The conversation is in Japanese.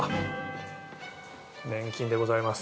粘菌でございます。